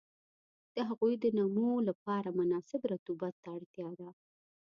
د هغوی د نمو لپاره مناسب رطوبت ته اړتیا ده.